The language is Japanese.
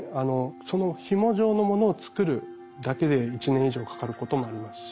そのひも状のものを作るだけで１年以上かかることもありますし。